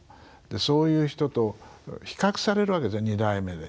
そういう人と比較されるわけですね二代目で。